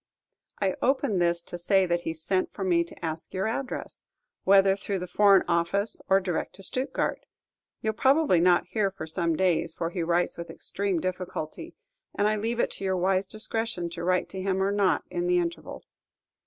I open this to say that he sent for me to ask your address, whether through the Foreign Office, or direct to Stuttgard. You 'll probably not hear for some days, for he writes with extreme difficulty, and I leave it to your wise discretion to write to him or not in the interval.